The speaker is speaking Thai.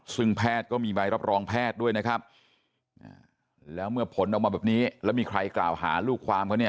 ซึ่งแพทย์ก็มีใบรับรองแพทย์ด้วยนะครับแล้วเมื่อผลออกมาแบบนี้แล้วมีใครกล่าวหาลูกความเขาเนี่ย